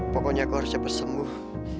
pokoknya aku harus cepet sembuh